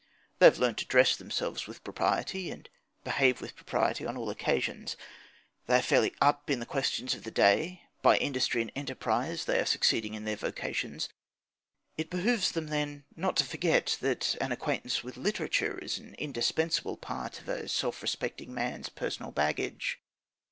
They have learnt to dress themselves with propriety, and to behave with propriety on all occasions; they are fairly "up" in the questions of the day; by industry and enterprise they are succeeding in their vocations; it behoves them, then, not to forget that an acquaintance with literature is an indispensable part of a self respecting man's personal baggage.